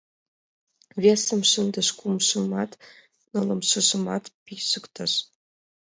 Весым шындыш, кумшымат, нылымшыжымат пижыктыш...